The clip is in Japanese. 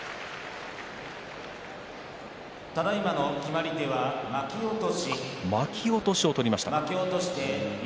決まり手は巻き落としを取りました。